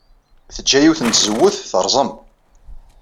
Teǧǧa yiwet n tzewwut terẓem.